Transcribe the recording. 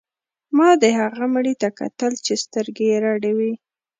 ما د هغه مړي ته کتل چې سترګې یې رډې وې